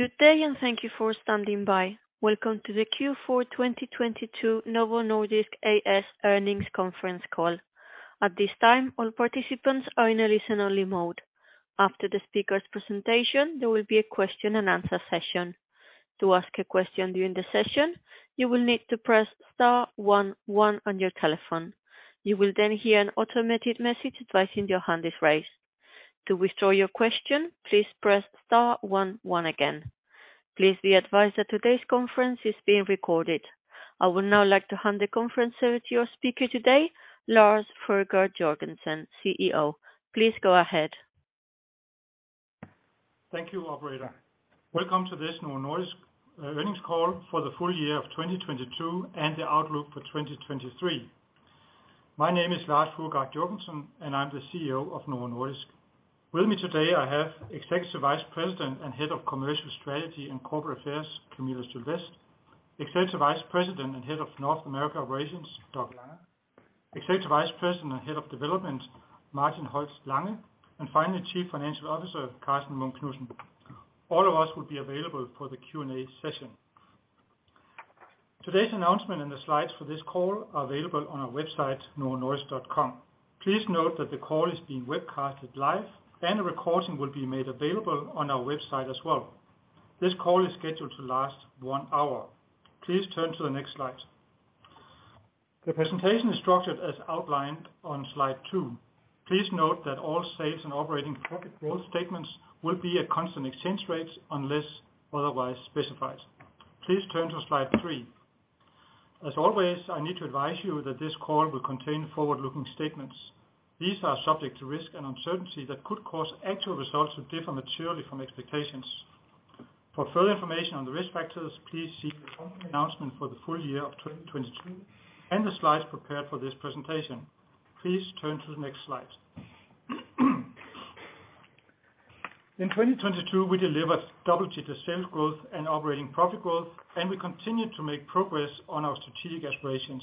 Good day, and thank you for standing by. Welcome to the Q4 2022 Novo Nordisk A/S earnings conference call. At this time, all participants are in a listen-only mode. After the speaker's presentation, there will be a question and answer session. To ask a question during the session, you will need to press star one one on your telephone. You will then hear an automated message advising your hand is raised. To withdraw your question, please press star one one again. Please be advised that today's conference is being recorded. I would now like to hand the conference over to your speaker today, Lars Fruergaard Jørgensen, CEO. Please go ahead. Thank you, Operator. Welcome to this Novo Nordisk earnings call for the full year of 2022 and the outlook for 2023. My name is Lars Fruergaard Jørgensen, and I'm the CEO of Novo Nordisk. With me today I have Executive Vice President and Head of Commercial Strategy and Corporate Affairs, Camilla Sylvest, Executive Vice President and Head of North America Operations, Doug Langa, Executive Vice President and Head of Development, Martin Holst Lange, and finally, Chief Financial Officer, Karsten Munk Knudsen. All of us will be available for the Q&A session. Today's announcement and the slides for this call are available on our website, novonordisk.com. Please note that the call is being webcasted live, and a recording will be made available on our website as well. This call is scheduled to last one hour. Please turn to the next slide. The presentation is structured as outlined on slide two. Please note that all sales and operating profit growth statements will be at constant exchange rates unless otherwise specified. Please turn to slide three. As always, I need to advise you that this call will contain forward-looking statements. These are subject to risk and uncertainty that could cause actual results to differ materially from expectations. For further information on the risk factors, please see the company announcement for the full year of 2022 and the slides prepared for this presentation. Please turn to the next slide. In 2022, we delivered double-digit sales growth and operating profit growth. We continued to make progress on our strategic aspirations.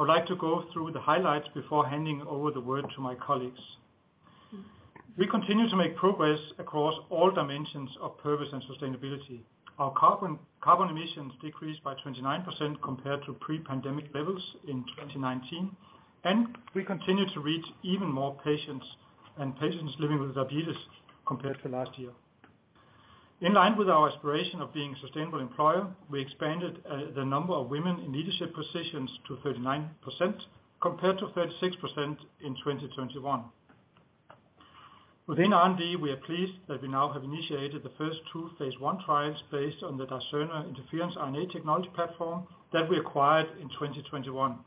I would like to go through the highlights before handing over the word to my colleagues. We continue to make progress across all dimensions of purpose and sustainability. Our carbon emissions decreased by 29% compared to pre-pandemic levels in 2019. We continue to reach even more patients and patients living with diabetes compared to last year. In line with our aspiration of being a sustainable employer, we expanded the number of women in leadership positions to 39%, compared to 36% in 2021. Within R&D, we are pleased that we now have initiated the first two phase I trials based on the Dicerna interference RNA technology platform that we acquired in 2021.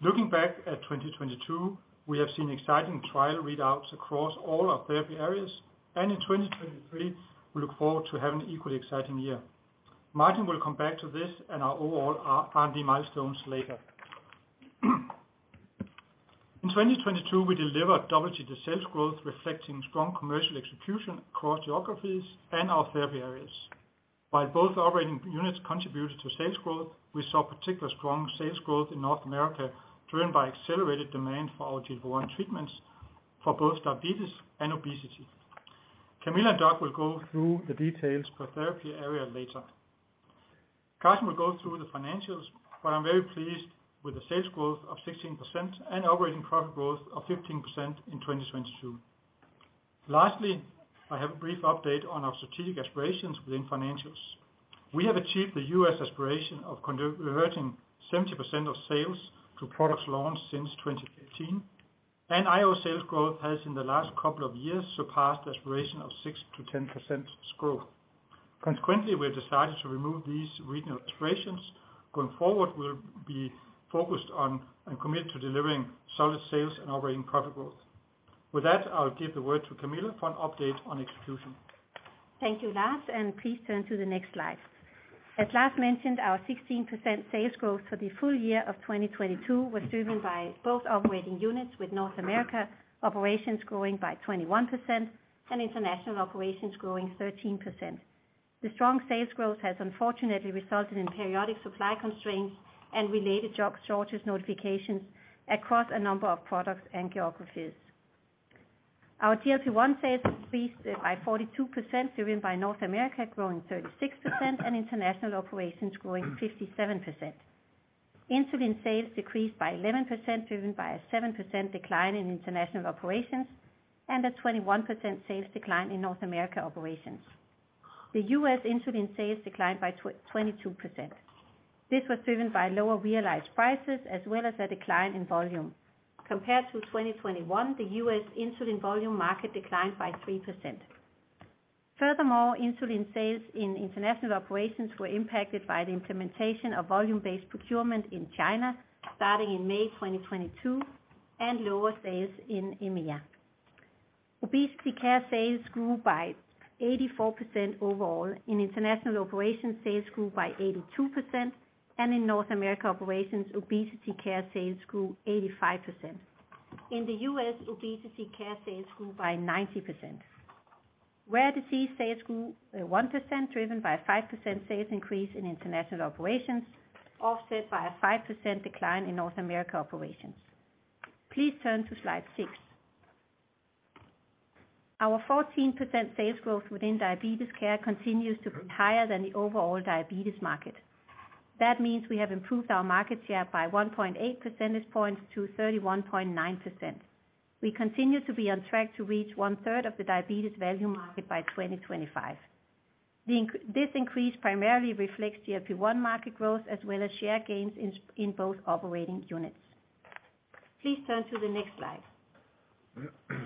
Looking back at 2022, we have seen exciting trial readouts across all our therapy areas. In 2023, we look forward to having an equally exciting year. Martin will come back to this and our overall R&D milestones later. In 2022, we delivered double-digit sales growth, reflecting strong commercial execution across geographies and our therapy areas. While both operating units contributed to sales growth, we saw particular strong sales growth in North America, driven by accelerated demand for our GLP-1 treatments for both diabetes and obesity. Camilla and Doug will go through the details per therapy area later. Karsten will go through the financials, I'm very pleased with the sales growth of 16% and operating profit growth of 15% in 2022. Lastly, I have a brief update on our strategic aspirations within financials. We have achieved the U.S. aspiration of converting 70% of sales to products launched since 2015, and IO sales growth has in the last couple of years surpassed aspiration of 6%-10% growth. Consequently, we have decided to remove these regional aspirations. Going forward, we'll be focused on and committed to delivering solid sales and operating profit growth. With that, I'll give the word to Camilla for an update on execution. Thank you, Lars. Please turn to the next slide. As Lars mentioned, our 16% sales growth for the full year of 2022 was driven by both operating units, with North America Operations growing by 21% and International Operations growing 13%. The strong sales growth has unfortunately resulted in periodic supply constraints and related job shortages notifications across a number of products and geographies. Our GLP-1 sales increased by 42%, driven by North America Operations growing 36% and International Operations growing 57%. Insulin sales decreased by 11%, driven by a 7% decline in International Operations and a 21% sales decline in North America Operations. The U.S. insulin sales declined by 22%. This was driven by lower realized prices as well as a decline in volume. Compared to 2021, the U.S. insulin volume market declined by 3%. Furthermore, insulin sales in International Operations were impacted by the implementation of volume-based procurement in China starting in May 2022 and lower sales in EMEA. Obesity care sales grew by 84% overall. In International Operations, sales grew by 82%, and in North America Operations, obesity care sales grew 85%. In the U.S., obesity care sales grew by 90%. Rare disease sales grew 1%, driven by a 5% sales increase in International Operations, offset by a 5% decline in North America Operations. Please turn to slide six. Our 14% sales growth within diabetes care continues to be higher than the overall diabetes market. That means we have improved our market share by 1.8 percentage points to 31.9%. We continue to be on track to reach 1/3 of the diabetes value market by 2025. This increase primarily reflects GLP-1 market growth as well as share gains in both operating units. Please turn to the next slide.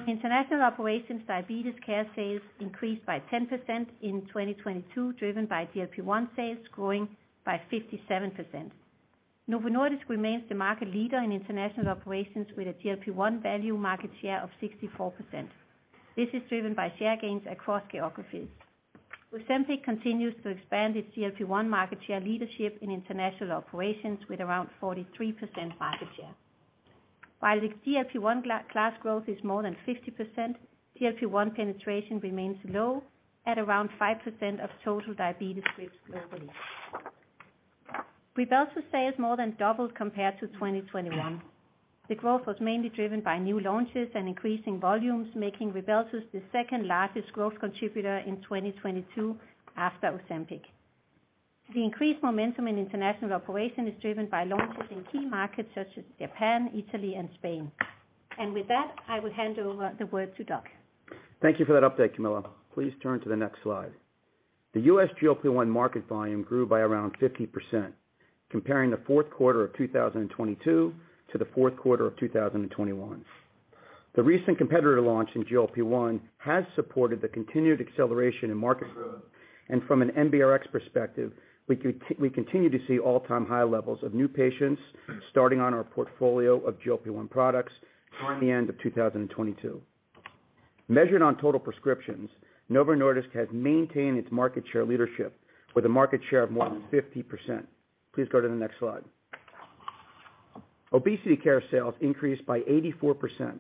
International Operations diabetes care sales increased by 10% in 2022, driven by GLP-1 sales growing by 57%. Novo Nordisk remains the market leader in International Operations with a GLP-1 value market share of 64%. This is driven by share gains across geographies. OZEMPIC continues to expand its GLP-1 market share leadership in International Operations with around 43% market share. While the GLP-1 class growth is more than 50%, GLP-1 penetration remains low at around 5% of total diabetes risks globally. RYBELSUS sales more than doubled compared to 2021. The growth was mainly driven by new launches and increasing volumes, making RYBELSUS the second largest growth contributor in 2022 after OZEMPIC. The increased momentum in international operation is driven by launches in key markets such as Japan, Italy, and Spain. With that, I will hand over the word to Doug. Thank you for that update, Camilla. Please turn to the next slide. The U.S. GLP-1 market volume grew by around 50% comparing the fourth quarter of 2022 to the fourth quarter of 2021. The recent competitor launch in GLP-1 has supported the continued acceleration in market growth. From an NBRx perspective, we continue to see all-time high levels of new patients starting on our portfolio of GLP-1 products toward the end of 2022. Measured on total prescriptions, Novo Nordisk has maintained its market share leadership with a market share of more than 50%. Please go to the next slide. Obesity care sales increased by 84%,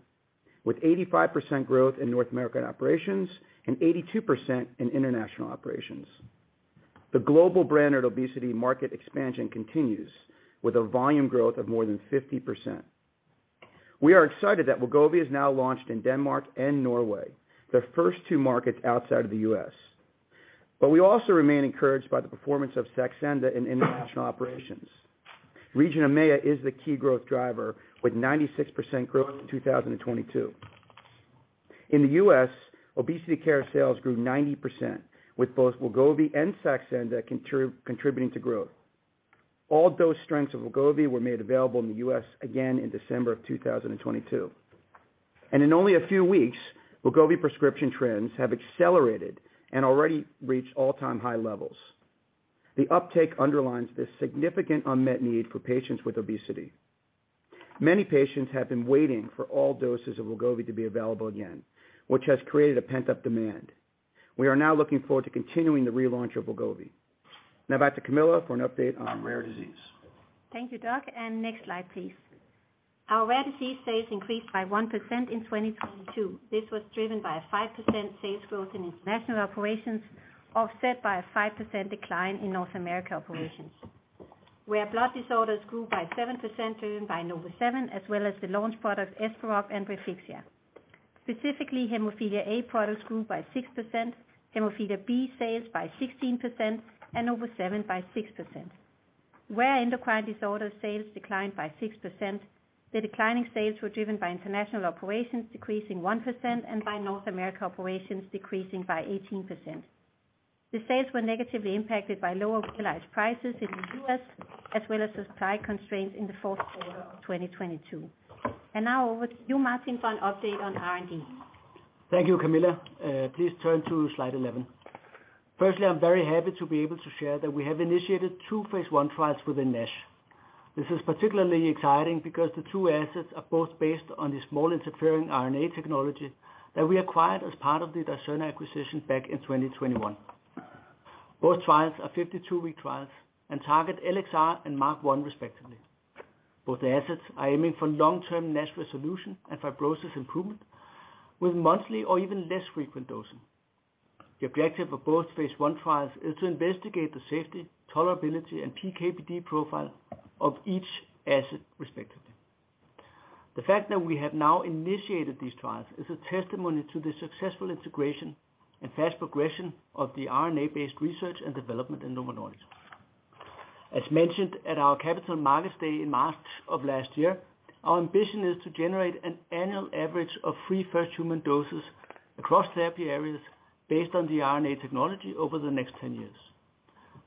with 85% growth in North America Operations and 82% in International Operations. The global branded obesity market expansion continues with a volume growth of more than 50%. We are excited that Wegovy is now launched in Denmark and Norway, the first two markets outside of the U.S. We also remain encouraged by the performance of SAXENDA in International Operations. Region EMEA is the key growth driver with 96% growth in 2022. In the U.S., obesity care sales grew 90% with both Wegovy and SAXENDA contributing to growth. All dose strengths of Wegovy were made available in the U.S. again in December of 2022. In only a few weeks, Wegovy prescription trends have accelerated and already reached all-time high levels. The uptake underlines the significant unmet need for patients with obesity. Many patients have been waiting for all doses of Wegovy to be available again, which has created a pent-up demand. We are now looking forward to continuing the relaunch of Wegovy. Now back to Camilla for an update on rare disease. Thank you, Doug. Next slide, please. Our rare disease sales increased by 1% in 2022. This was driven by a 5% sales growth in International Operations, offset by a 5% decline in North America Operations, where blood disorders grew by 7% driven by NovoSeven, as well as the launch products ESPEROCT and Refixia. Specifically, hemophilia A products grew by 6%, hemophilia B sales by 16%, and NovoSeven by 6%. Where endocrine disorder sales declined by 6%, the declining sales were driven by International Operations decreasing 1% and by North America Operations decreasing by 18%. The sales were negatively impacted by lower realized prices in the U.S. as well as the supply constraints in the fourth quarter of 2022. Now over to you, Martin, for an update on R&D. Thank you, Camilla. Please turn to slide 11. Firstly, I'm very happy to be able to share that we have initiated two phase I trials within NASH. This is particularly exciting because the two assets are both based on the small interfering RNA technology that we acquired as part of the Dicerna acquisition back in 2021. Both trials are 52-week trials and target LXR and MARC1 respectively. Both the assets are aiming for long-term NASH resolution and fibrosis improvement with monthly or even less frequent dosing. The objective of both phase I trials is to investigate the safety, tolerability, and PK/PD profile of each asset respectively. The fact that we have now initiated these trials is a testimony to the successful integration and fast progression of the RNA-based research and development in Novo Nordisk. As mentioned at our Capital Markets Day in March of last year, our ambition is to generate an annual average of three first human doses across therapy areas based on the RNA technology over the next 10 years.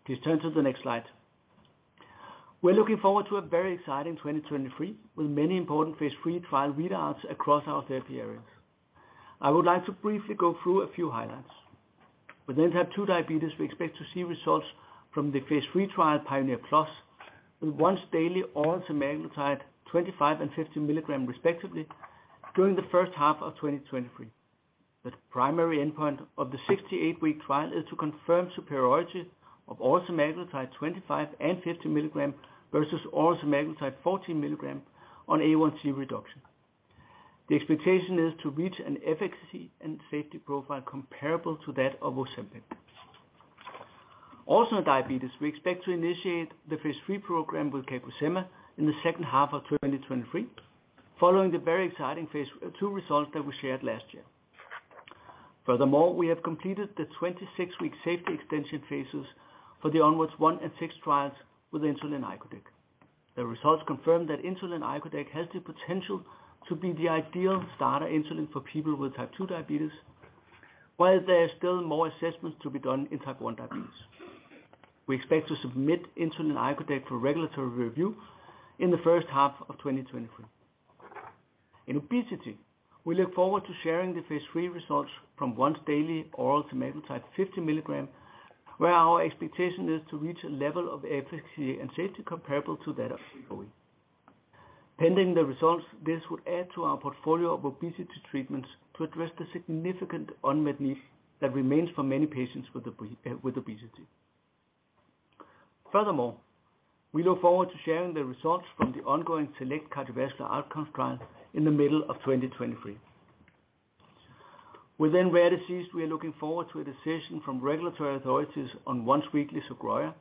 Please turn to the next slide. We're looking forward to a very exciting 2023 with many important phase III trial readouts across our therapy areas. I would like to briefly go through a few highlights. With type two diabetes, we expect to see results from the phase III trial, PIONEER PLUS, with once daily or semaglutide 25 mg and 50 mg respectively during the first half of 2023. The primary endpoint of the 68-week trial is to confirm superiority of or semaglutide 25 mg and 50 mg versus or semaglutide 14 mg on A1C reduction. The expectation is to reach an efficacy and safety profile comparable to that of OZEMPIC. Also in diabetes, we expect to initiate the phase III program with CagriSema in the second half of 2023, following the very exciting phase two results that we shared last year. Furthermore, we have completed the 26-week safety extension phases for the ONWARDS 1 and 6 trials with insulin icodec. The results confirm that insulin icodec has the potential to be the ideal starter insulin for people with type 2 diabetes, while there are still more assessments to be done in type 1 diabetes. We expect to submit insulin icodec for regulatory review in the first half of 2023. In obesity, we look forward to sharing the phase III results from once daily oral semaglutide 50 mg, where our expectation is to reach a level of efficacy and safety comparable to that of Wegovy. Pending the results, this would add to our portfolio of obesity treatments to address the significant unmet need that remains for many patients with obesity. Furthermore, we look forward to sharing the results from the ongoing SELECT cardiovascular outcomes trial in the middle of 2023. Within rare diseases, we are looking forward to a decision from regulatory authorities on once-weekly Sogroya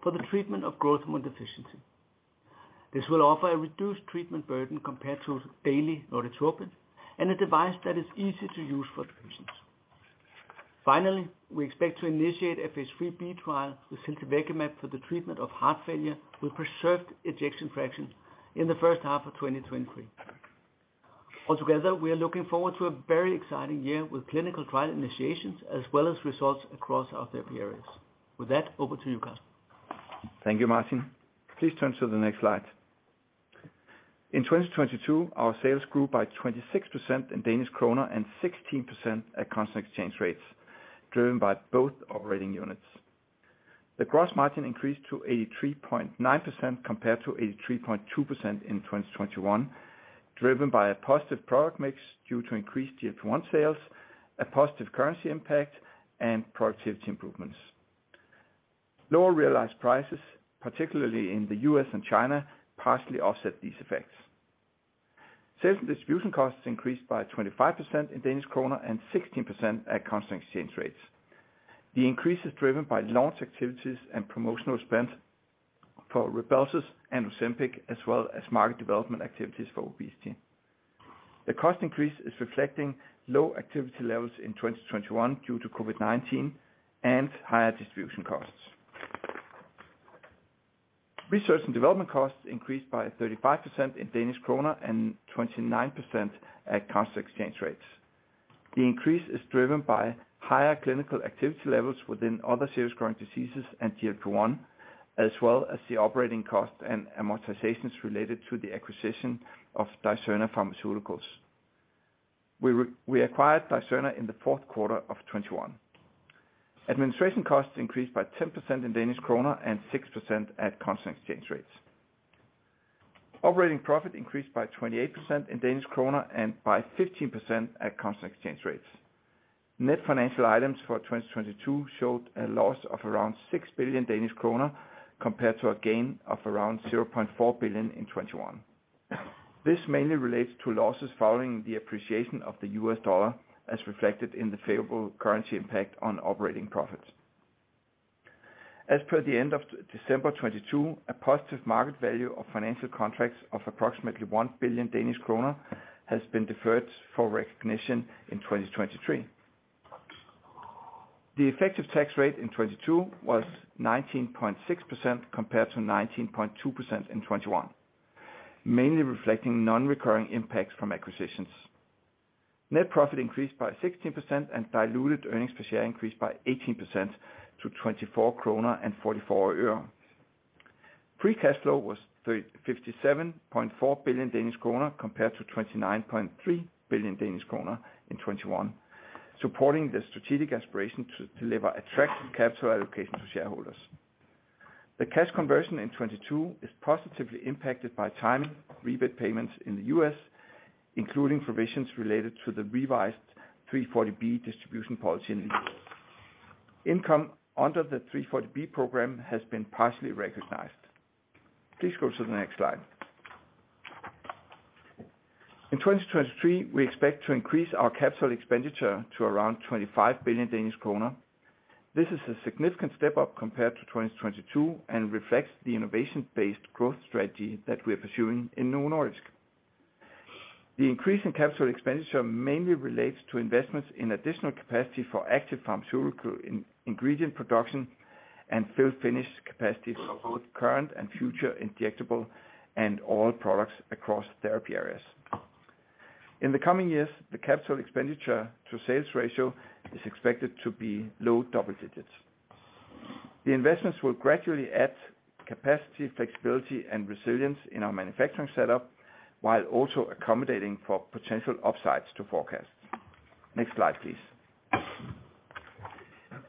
for the treatment of growth hormone deficiency. This will offer a reduced treatment burden compared to daily Norditropin and a device that is easy to use for patients. finally, we expect to initiate a phase III-B trial of ziltivekimab for the treatment of heart failure with preserved ejection fraction in the first half of 2023. altogether, we are looking forward to a very exciting year with clinical trial initiations, as well as results across all therapy areas. with that, over to you, Karsten. Thank you, Martin. Please turn to the next slide. In 2022, our sales grew by 26% in Danish krone and 16% at constant exchange rates, driven by both operating units. The gross margin increased to 83.9% compared to 83.2% in 2021, driven by a positive product mix due to increased GLP-1 sales, a positive currency impact, and productivity improvements. Lower realized prices, particularly in the U.S. and China, partially offset these effects. Sales and distribution costs increased by 25% in Danish krone and 16% at constant exchange rates. The increase is driven by launch activities and promotional spend for RYBELSUS and OZEMPIC, as well as market development activities for obesity. The cost increase is reflecting low activity levels in 2021 due to COVID-19 and higher distribution costs. Research and development costs increased by 35% in Danish krone and 29% at constant exchange rates. The increase is driven by higher clinical activity levels within other serious chronic diseases and GLP-1, as well as the operating costs and amortizations related to the acquisition of Dicerna Pharmaceuticals. We acquired Dicerna in the fourth quarter of 2021. Administration costs increased by 10% in Danish krone and 6% at constant exchange rates. Operating profit increased by 28% in Danish krone and by 15% at constant exchange rates. Net financial items for 2022 showed a loss of around 6 billion Danish kroner compared to a gain of around 0.4 billion in 2021. This mainly relates to losses following the appreciation of the U.S. dollar as reflected in the favorable currency impact on operating profits. As per the end of December 2022, a positive market value of financial contracts of approximately 1 billion Danish kroner has been deferred for recognition in 2023. The effective tax rate in 2022 was 19.6% compared to 19.2% in 2021, mainly reflecting non-recurring impacts from acquisitions. Net profit increased by 16% and diluted earnings per share increased by 18% to DKK 24.44. Free cash flow was 57.4 billion Danish kroner compared to 29.3 billion Danish kroner in 2021, supporting the strategic aspiration to deliver attractive capital allocation to shareholders. The cash conversion in 2022 is positively impacted by timing of rebate payments in the U.S., including provisions related to the revised 340B distribution policy in Europe. Income under the 340B program has been partially recognized. Please go to the next slide. In 2023, we expect to increase our CapEx to around 25 billion Danish kroner. This is a significant step up compared to 2022 and reflects the innovation-based growth strategy that we are pursuing in Novo Nordisk. The increase in CapEx mainly relates to investments in additional capacity for active pharmaceutical ingredient production and fill finish capacity for both current and future injectable and oral products across therapy areas. In the coming years, the CapEx to sales ratio is expected to be low double digits. The investments will gradually add capacity, flexibility, and resilience in our manufacturing setup, while also accommodating for potential upsides to forecast. Next slide, please.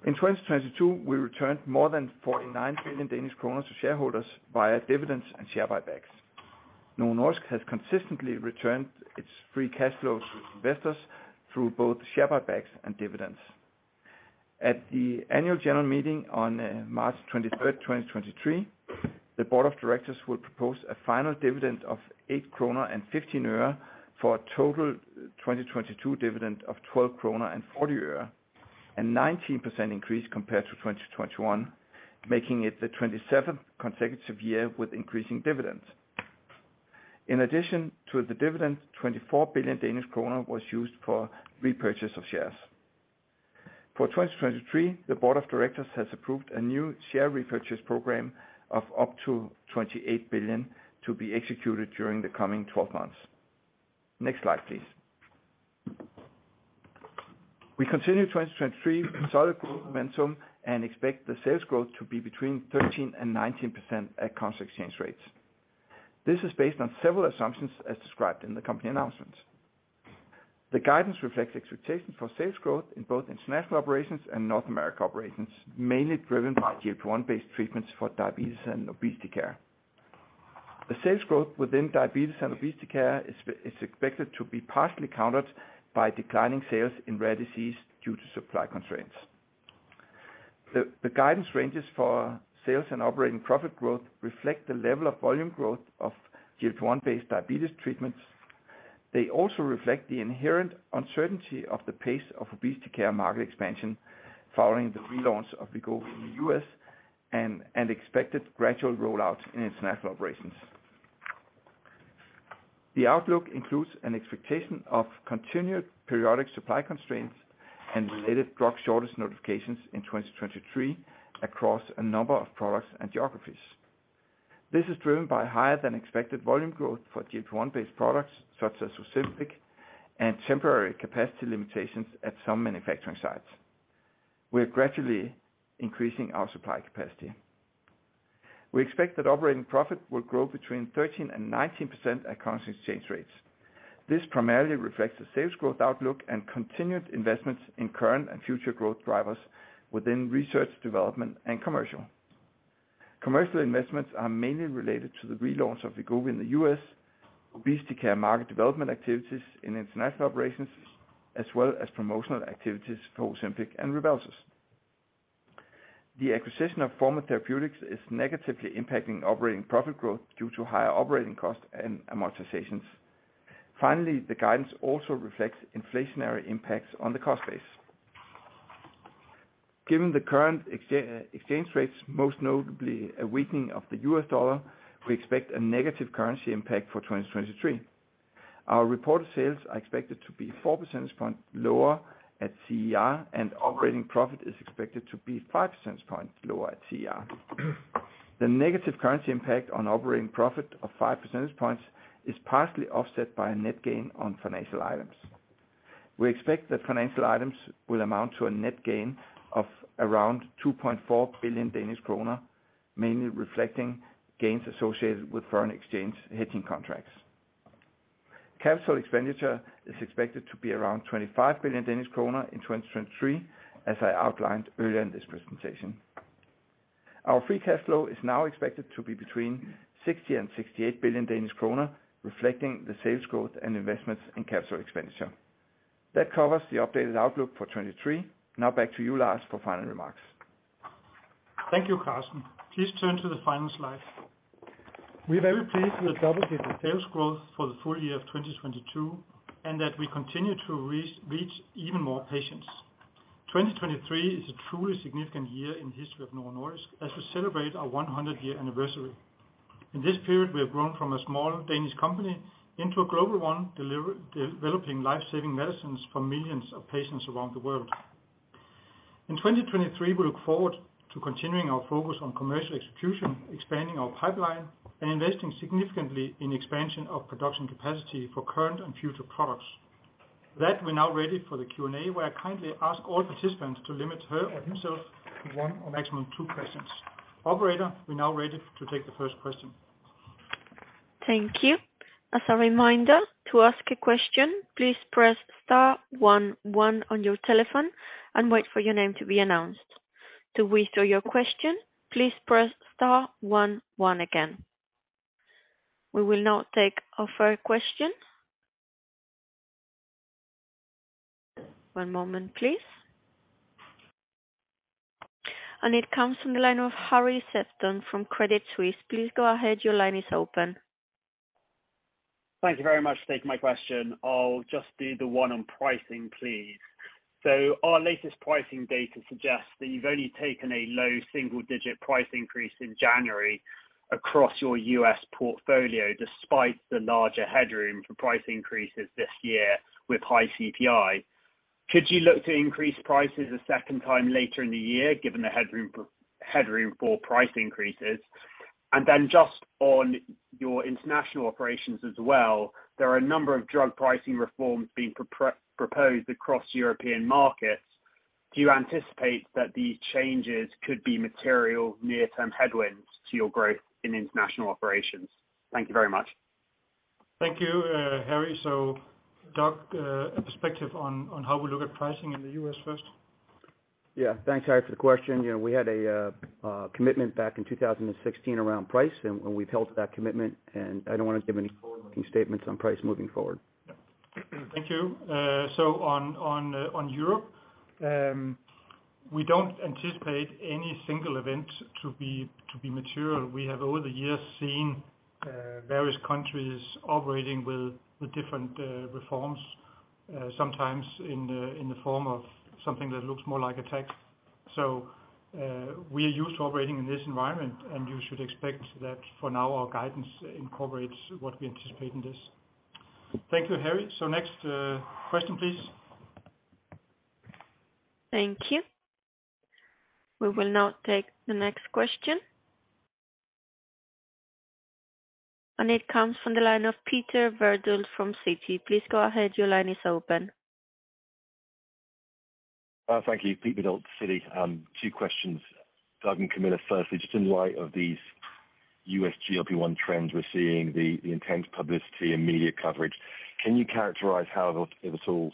In 2022, we returned more than 49 billion Danish kroner to shareholders via dividends and share buybacks. Novo Nordisk has consistently returned its free cash flows to investors through both share buybacks and dividends. At the annual general meeting on March 23rd, 2023. The board of directors will propose a final dividend of DKK 8.15 for a total 2022 dividend of 12.40 kroner, a 19% increase compared to 2021, making it the 27th consecutive year with increasing dividends. In addition to the dividend, 24 billion Danish kroner was used for repurchase of shares. For 2023, the board of directors has approved a new share repurchase program of up to 28 billion to be executed during the coming 12 months. Next slide, please. We continue 2023 with solid growth momentum and expect the sales growth to be between 13% and 19% at constant exchange rates. This is based on several assumptions as described in the company announcements. The guidance reflects expectations for sales growth in both International Operations and North America Operations, mainly driven by GLP-1 based treatments for diabetes and obesity care. The sales growth within diabetes and obesity care is expected to be partially countered by declining sales in rare disease due to supply constraints. The guidance ranges for sales and operating profit growth reflect the level of volume growth of GLP-1 based diabetes treatments. They also reflect the inherent uncertainty of the pace of obesity care market expansion following the relaunch of Wegovy in the U.S. and expected gradual rollout in International Operations. The outlook includes an expectation of continued periodic supply constraints and related drug shortage notifications in 2023 across a number of products and geographies. This is driven by higher than expected volume growth for GLP-1 based products such as OZEMPIC and temporary capacity limitations at some manufacturing sites. We are gradually increasing our supply capacity. We expect that operating profit will grow between 13% and 19% at constant exchange rates. This primarily reflects the sales growth outlook and continued investments in current and future growth drivers within research, development and commercial. Commercial investments are mainly related to the relaunch of Wegovy in the U.S., obesity care market development activities in International Operations, as well as promotional activities for OZEMPIC and RYBELSUS. The acquisition of Forma Therapeutics is negatively impacting operating profit growth due to higher operating costs and amortizations. Finally, the guidance also reflects inflationary impacts on the cost base. Given the current exchange rates, most notably a weakening of the U.S. dollar, we expect a negative currency impact for 2023. Our reported sales are expected to be 4 percentage points lower at CER, and operating profit is expected to be 5 percentage points lower at CER. The negative currency impact on operating profit of 5 percentage points is partially offset by a net gain on financial items. We expect that financial items will amount to a net gain of around 2.4 billion Danish kroner, mainly reflecting gains associated with foreign exchange hedging contracts. Capital expenditure is expected to be around 25 billion Danish kroner in 2023, as I outlined earlier in this presentation. Our free cash flow is now expected to be between 60 billion and 68 billion Danish kroner, reflecting the sales growth and investments in capital expenditure. That covers the updated outlook for 2023. Back to you, Lars, for final remarks. Thank you, Karsten. Please turn to the final slide. We are very pleased with double-digit sales growth for the full year of 2022, and that we continue to re-reach even more patients. 2023 is a truly significant year in the history of Novo Nordisk as we celebrate our 100 year anniversary. In this period, we have grown from a small Danish company into a global one, developing life-saving medicines for millions of patients around the world. In 2023, we look forward to continuing our focus on commercial execution, expanding our pipeline and investing significantly in expansion of production capacity for current and future products. With that we're now ready for the Q&A, where I kindly ask all participants to limit her or himself to one or maximum two questions. Operator, we're now ready to take the first question. Thank you. As a reminder, to ask a question, please press star one one on your telephone and wait for your name to be announced. To withdraw your question, please press star one one again. We will now take our first question. One moment, please. It comes from the line of Harry Sephton from Credit Suisse. Please go ahead. Your line is open. Thank you very much for taking my question. I'll just do the one on pricing, please. Our latest pricing data suggests that you've only taken a low single-digit price increase in January across your U.S. portfolio, despite the larger headroom for price increases this year with high CPI. Could you look to increase prices a second time later in the year, given the headroom for price increases? Just on your International Operations as well, there are a number of drug pricing reforms being proposed across European markets. Do you anticipate that these changes could be material near-term headwinds to your growth in International Operations? Thank you very much. Thank you, Harry. Doug, perspective on how we look at pricing in the U.S. first. Yeah, thanks, Harry, for the question. You know, we had a commitment back in 2016 around price, and we've held to that commitment. I don't wanna give any forward-looking statements on price moving forward. Thank you. On Europe, we don't anticipate any single event to be material. We have over the years seen various countries operating with different reforms, sometimes in the form of something that looks more like a tax. We are used to operating in this environment, and you should expect that for now our guidance incorporates what we anticipate in this. Thank you, Harry. Next question, please. Thank you. We will now take the next question. It comes from the line of Peter Verdult from Citi. Please go ahead. Your line is open. Thank you. Pete Verdult, Citi. Two questions. Doug and Camilla, firstly, just in light of these U.S. GLP-1 trends, we're seeing the intense publicity and media coverage. Can you characterize how the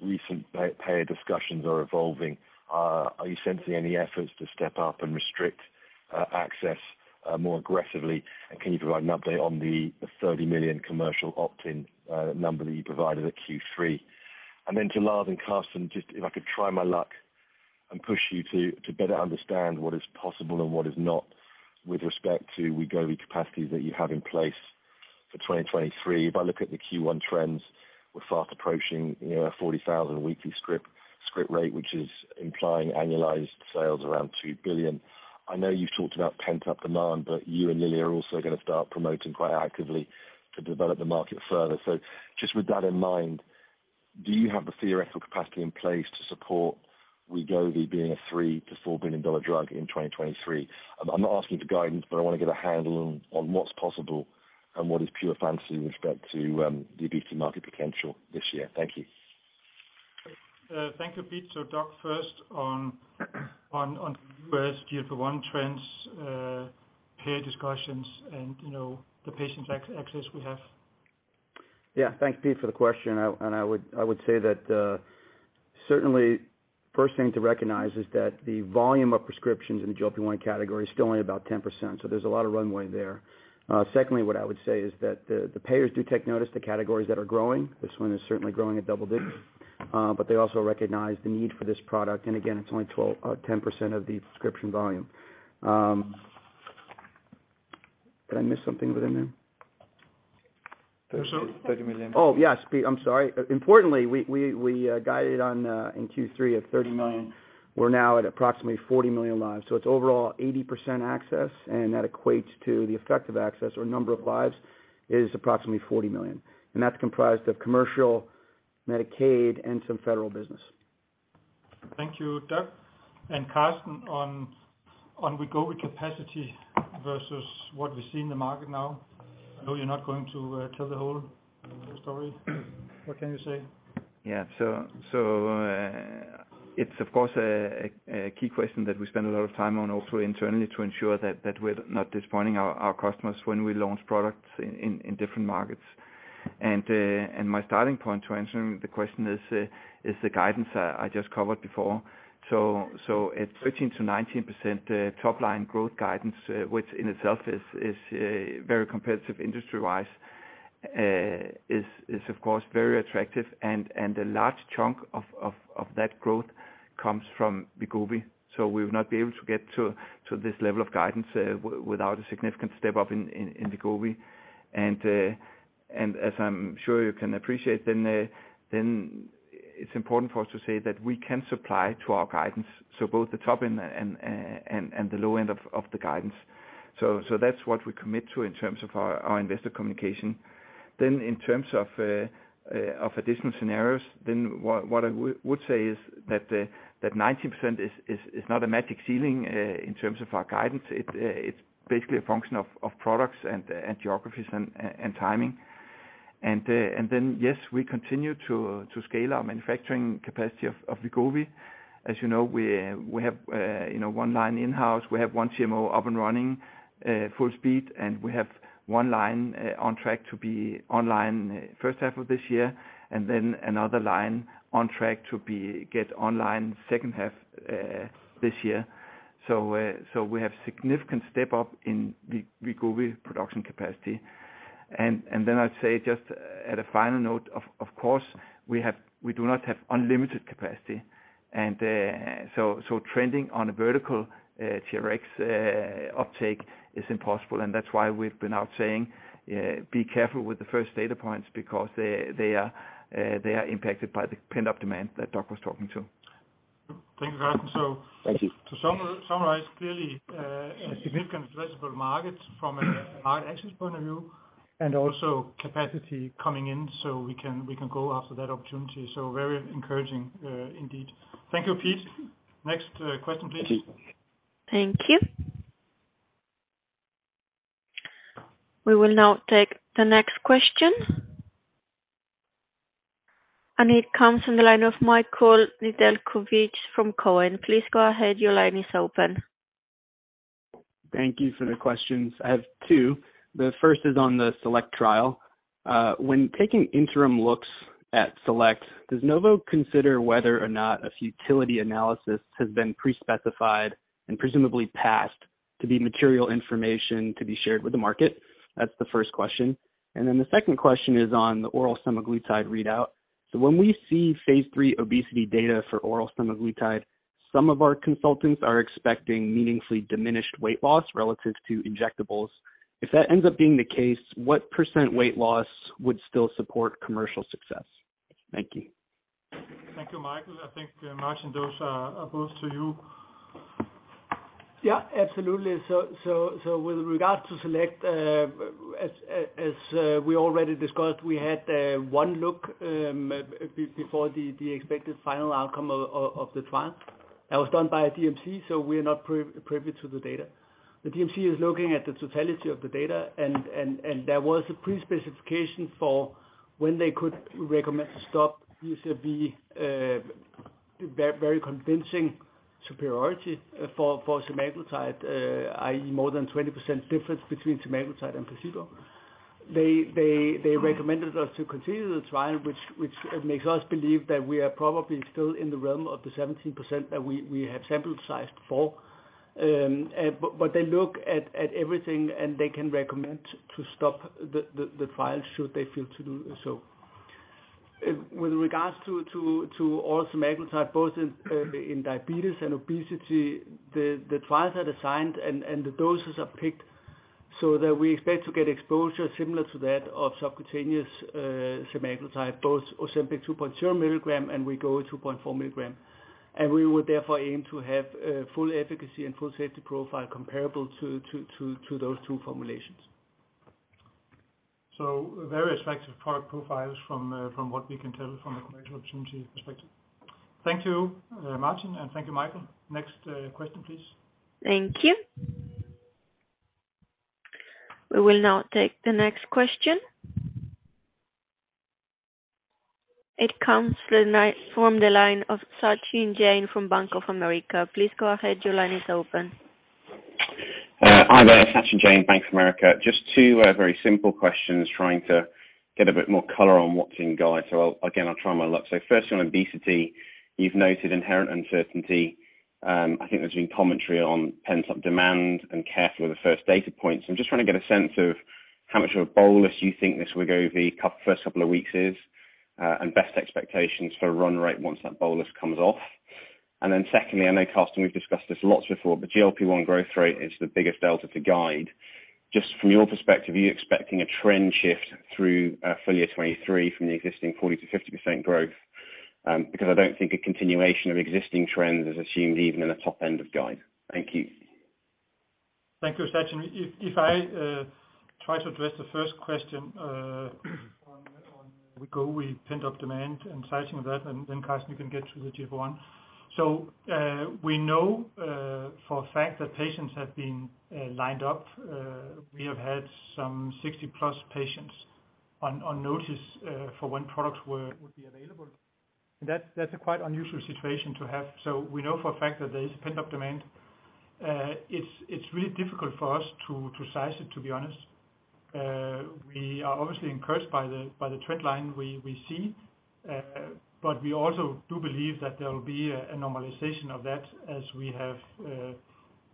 recent payer discussions are evolving? Are you sensing any efforts to step up and restrict access more aggressively? Can you provide an update on the 30 million commercial opt-in number that you provided at Q3? Then to Lars and Karsten, just if I could try my luck and push you to better understand what is possible and what is not with respect to Wegovy capacities that you have in place for 2023. If I look at the Q1 trends, we're fast approaching, you know, 40,000 weekly script rate, which is implying annualized sales around $2 billion. I know you've talked about pent-up demand, but you and Eli Lilly are also gonna start promoting quite actively to develop the market further. Just with that in mind, do you have the theoretical capacity in place to support Wegovy being a $3 billion-$4 billion drug in 2023? I'm not asking for guidance, but I wanna get a handle on what's possible and what is pure fancy with respect to the obesity market potential this year. Thank you. Thank you, Pete. Doug, first on U.S. GLP-1 trends, payer discussions and, you know, the patient access we have. Yeah. Thank you, Pete, for the question. I would say that certainly first thing to recognize is that the volume of prescriptions in the GLP-1 category is still only about 10%, so there's a lot of runway there. Secondly, what I would say is that the payers do take notice to categories that are growing. This one is certainly growing at double digits, but they also recognize the need for this product. Again, it's only 12% or 10% of the prescription volume. Did I miss something within there? 30 million. Oh, yes, Pete, I'm sorry. Importantly, we guided on in Q3 at 30 million. We're now at approximately 40 million lives. It's overall 80% access, and that equates to the effective access or number of lives is approximately 40 million. That's comprised of commercial Medicaid and some federal business. Thank you, Doug. Karsten, on Wegovy capacity versus what we see in the market now, I know you're not going to tell the whole story. What can you say? Yeah. it's of course a key question that we spend a lot of time on also internally to ensure that we're not disappointing our customers when we launch products in different markets. My starting point to answering the question is the guidance I just covered before. At 13%-19% top line growth guidance, which in itself is very competitive industry-wise, is of course very attractive and a large chunk of that growth comes from Wegovy. We would not be able to get to this level of guidance without a significant step up in Wegovy. As I'm sure you can appreciate then it's important for us to say that we can supply to our guidance, so both the top and the low end of the guidance. That's what we commit to in terms of our investor communication. In terms of additional scenarios, then what I would say is that the 19% is not a magic ceiling in terms of our guidance. It's basically a function of products and geographies and timing. Then, yes, we continue to scale our manufacturing capacity of Wegovy. As you know, we have, you know, one line in-house. We have one CMO up and running, full speed. We have one line on track to be online first half of this year. Then another line on track to be get online second half this year. We have significant step up in Wegovy production capacity. Then I'd say just at a final note, of course, we do not have unlimited capacity. So, trending on a vertical TRx uptake is impossible. That's why we've been out saying, be careful with the first data points because they are impacted by the pent-up demand that Doug was talking to. Thank you, Karsten. Thank you. To summarize, clearly, a significant addressable market from a hard access point of view and also capacity coming in so we can go after that opportunity. Very encouraging, indeed. Thank you, Pete. Next, question please. Thank you. We will now take the next question. It comes from the line of Michael Nedelcovych from Cowen. Please go ahead. Your line is open. Thank you for the questions. I have two. The first is on the SELECT trial. When taking interim looks at Novo, does Novo consider whether or not a futility analysis has been pre-specified and presumably passed, to be material information to be shared with the market. That's the first question. The second question is on the oral semaglutide readout. When we see phase III obesity data for oral semaglutide, some of our consultants are expecting meaningfully diminished weight loss relative to injectables. If that ends up being the case, what percent weight loss would still support commercial success? Thank you. Thank you, Michael. I think Martin, those are both to you. Absolutely. with regard to SELECT, as we already discussed, we had one look before the expected final outcome of the trial that was done by a DMC. We're not privy to the data. The DMC is looking at the totality of the data and there was a pre-specification for when they could recommend to stop. Used to be very convincing superiority for semaglutide, i.e., more than 20% difference between semaglutide and placebo. They recommended us to continue the trial, which makes us believe that we are probably still in the realm of the 17% that we have sample sized for. They look at everything, and they can recommend to stop the trial should they feel to do so. With regards to oral semaglutide, both in diabetes and obesity, the trials are designed and the doses are picked so that we expect to get exposure similar to that of subcutaneous semaglutide, both OZEMPIC 2.0 mg and Wegovy 2.4 mg. We would therefore aim to have full efficacy and full safety profile comparable to those two formulations. Very effective product profiles from what we can tell from a commercial opportunity perspective. Thank you, Martin, and thank you, Michael. Next question, please. Thank you. We will now take the next question. It comes from the line of Sachin Jain from Bank of America. Please go ahead. Your line is open. Hi there, Sachin Jain, Bank of America. Just two very simple questions, trying to get a bit more color on what's in guide. Again, I'll try my luck. First on obesity, you've noted inherent uncertainty. I think there's been commentary on pent-up demand and careful with the first data points. I'm just trying to get a sense of how much of a bolus you think this Wegovy first couple of weeks is, and best expectations for run rate once that bolus comes off. Secondly, I know Karsten, we've discussed this lots before, GLP-1 growth rate is the biggest delta to guide. Just from your perspective, are you expecting a trend shift through full year 2023 from the existing 40%-50% growth? I don't think a continuation of existing trends is assumed even in the top end of guide. Thank you. Thank you, Sachin. If I try to address the first question on Wegovy pent-up demand and sizing of that, Karsten can get to the GLP-1. We know for a fact that patients have been lined up. We have had some 60+ patients on notice for when products would be available. That's a quite unusual situation to have. We know for a fact that there is pent-up demand. It's really difficult for us to size it, to be honest. We are obviously encouraged by the trend line we see. We also do believe that there will be a normalization of that as we have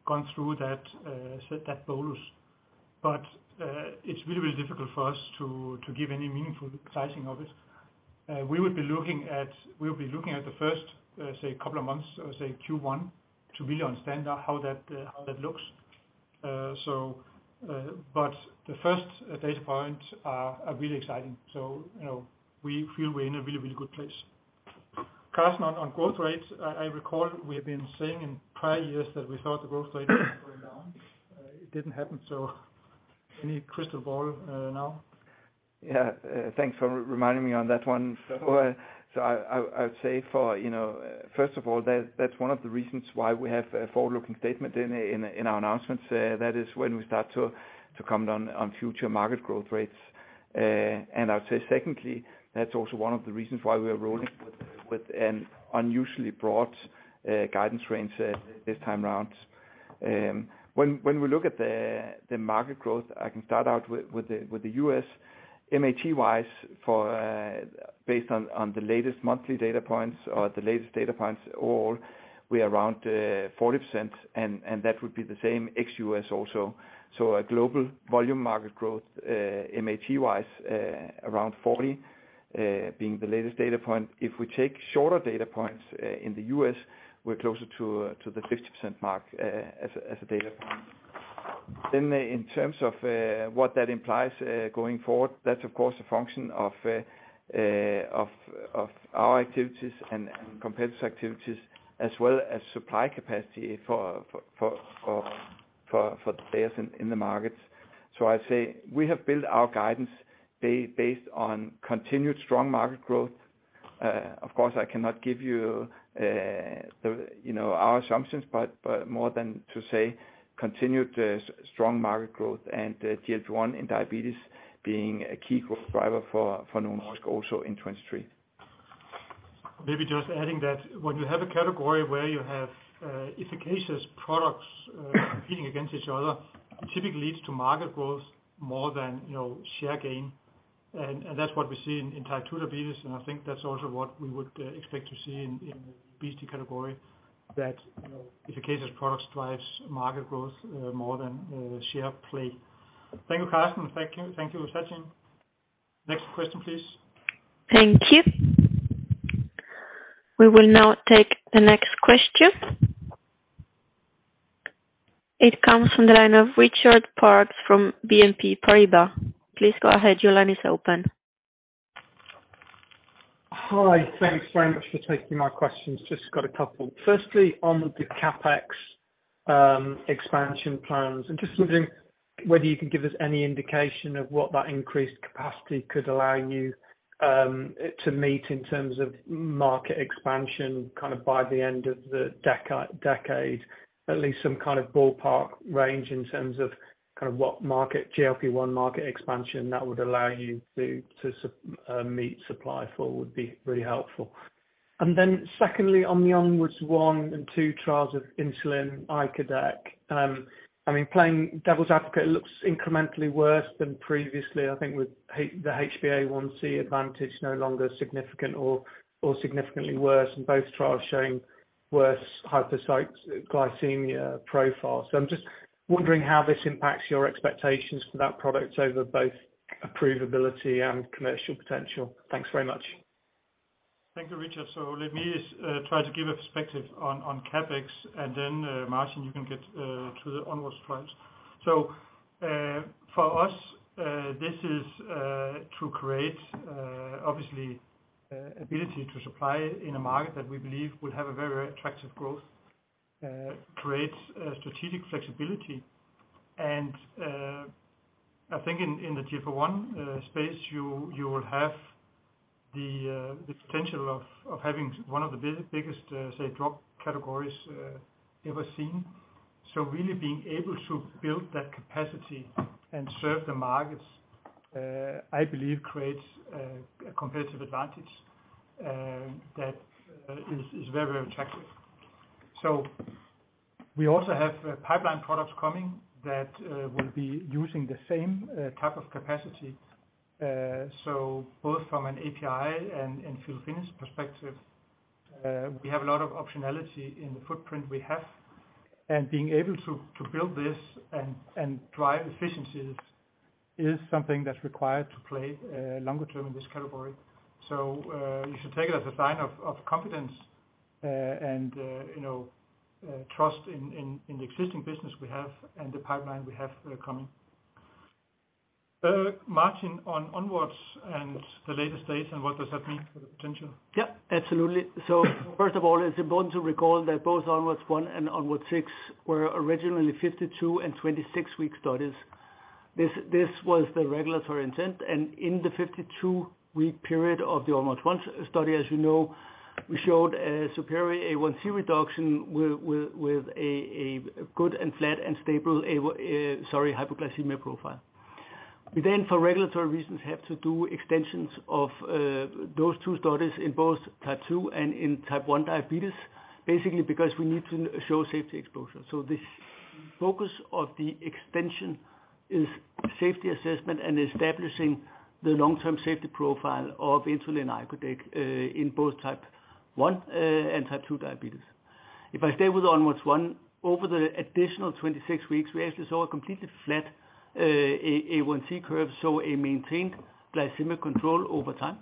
gone through that bolus. It's really, really difficult for us to give any meaningful sizing of it. We'll be looking at the first, say couple of months, or say Q1, to really understand how that, how that looks. The first data points are really exciting. You know, we feel we're in a really, really good place. Karsten, on growth rates, I recall we have been saying in prior years that we thought the growth rate was going down. It didn't happen. Any crystal ball now? Thanks for reminding me on that one. I would say for, you know, first of all, that's one of the reasons why we have a forward-looking statement in our announcements. That is when we start to comment on future market growth rates. I would say secondly, that's also one of the reasons why we're rolling with an unusually broad guidance range this time around. When we look at the market growth, I can start out with the U.S. MAT-wise for, based on the latest monthly data points or the latest data points all, we're around 40%, and that would be the same ex-U.S. also. A global volume market growth, MAT-wise, around 40%, being the latest data point. If we take shorter data points, in the U.S., we're closer to the 50% mark as a data point. In terms of what that implies going forward, that's of course a function of our activities and competitors' activities, as well as supply capacity for the players in the markets. I'd say we have built our guidance based on continued strong market growth. Of course, I cannot give you the, you know, our assumptions, but more than to say continued strong market growth and GLP-1 in diabetes being a key growth driver for Novo Nordisk also in 2023. Maybe just adding that when you have a category where you have efficacious products competing against each other. Typically leads to market growth more than, you know, share gain. That's what we see in type 2 diabetes, and I think that's also what we would expect to see in the BD category that, you know, if the case is product drives market growth more than share play. Thank you, Karsten. Thank you, Sachin. Next question, please. Thank you. We will now take the next question. It comes from the line of Richard Parkes from BNP Paribas. Please go ahead. Your line is open. Hi. Thanks very much for taking my questions. Just got a couple. Firstly, on the CapEx expansion plans, I'm just wondering whether you can give us any indication of what that increased capacity could allow you to meet in terms of market expansion kind of by the end of the decade. At least some kind of ballpark range in terms of kind of what market, GLP-1 market expansion that would allow you to meet supply for would be really helpful. Secondly, on the ONWARDS 1 and 2 trials of insulin icodec. I mean, playing devil's advocate, it looks incrementally worse than previously, I think with the HbA1c advantage no longer significant or significantly worse, and both trials showing worse hyperglycemia profile. I'm just wondering how this impacts your expectations for that product over both approvability and commercial potential. Thanks very much. Thank you, Richard. Let me try to give a perspective on CapEx, and then Martin, you can get to the ONWARDS trials. For us, this is to create, obviously, ability to supply in a market that we believe will have a very attractive growth, creates strategic flexibility. I think in the GLP-1 space, you will have the potential of having one of the biggest, say, drug categories, ever seen. Really being able to build that capacity and serve the markets, I believe creates a competitive advantage that is very attractive. We also have pipeline products coming that will be using the same type of capacity. Both from an API and fill finish perspective, we have a lot of optionality in the footprint we have. Being able to build this and drive efficiencies is something that's required to play longer term in this category. You should take it as a sign of confidence and, you know, trust in the existing business we have and the pipeline we have coming. Martin, on ONWARDS and the latest data and what does that mean for the potential? Absolutely. First of all, it's important to recall that both ONWARDS 1 and ONWARDS 6 were originally 52 and 26 week studies. This was the regulatory intent, and in the 52 week period of the ONWARDS 1 study, as you know, we showed a superior A1C reduction with a good and flat and stable a, sorry, hypoglycemia profile. We then, for regulatory reasons, have to do extensions of those two studies in both type 2 and in type 1 diabetes, basically because we need to show safety exposure. The focus of the extension is safety assessment and establishing the long-term safety profile of insulin icodec in both type 1 and type 2 diabetes. If I stay with ONWARDS 1, over the additional 26 weeks, we actually saw a completely flat A1C curve, so a maintained glycemic control over time.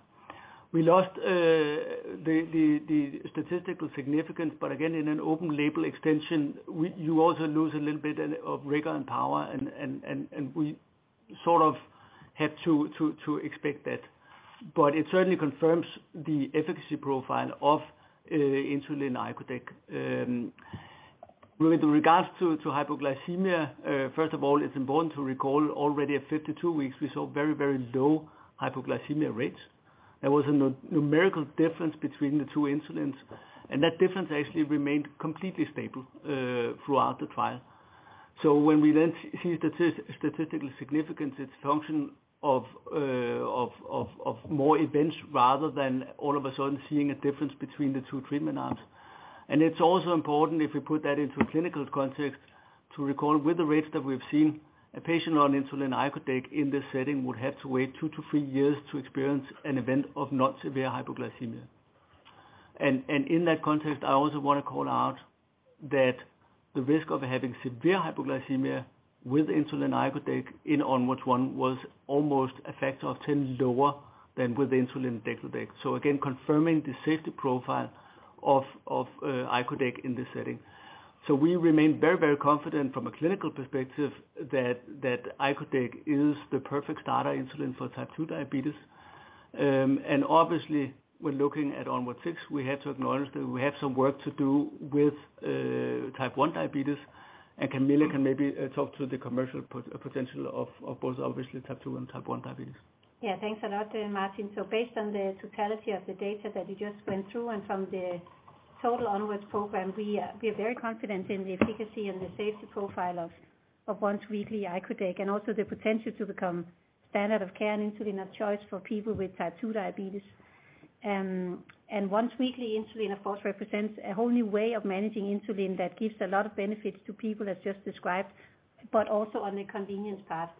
We lost the statistical significance, again, in an open label extension, you also lose a little bit of rigor and power and we sort of have to expect that. It certainly confirms the efficacy profile of insulin icodec. With regards to hypoglycemia, first of all, it's important to recall already at 52 weeks, we saw very, very low hypoglycemia rates. There was a numerical difference between the two insulins, and that difference actually remained completely stable throughout the trial. When we then see statistical significance, it's a function of more events rather than all of a sudden seeing a difference between the two treatment arms. It's also important if we put that into a clinical context to recall with the rates that we've seen, a patient on insulin icodec in this setting would have to wait two to three years to experience an event of non-severe hypoglycemia. In that context, I also wanna call out that the risk of having severe hypoglycemia with insulin icodec in ONWARDS 1 was almost a factor of 10 lower than with insulin degludec. Again, confirming the safety profile of icodec in this setting. We remain very, very confident from a clinical perspective that icodec is the perfect starter insulin for type 2 diabetes. Obviously we're looking at ONWARDS 6, we have to acknowledge that we have some work to do with type 1 diabetes, and Camilla can maybe talk to the commercial potential of both obviously type 2 diabetes and type 1 diabetes. Yeah, thanks a lot, Martin. Based on the totality of the data that you just went through and from the total ONWARDS program, we are very confident in the efficacy and the safety profile of once-weekly icodec, and also the potential to become standard of care and insulin of choice for people with type 2 diabetes. Once-weekly insulin, of course, represents a whole new way of managing insulin that gives a lot of benefits to people, as just described, but also on the convenience part.